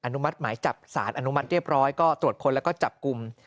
นุมัติหมายจับสารอนุมัติเรียบร้อยก็ตรวจค้นแล้วก็จับกลุ่ม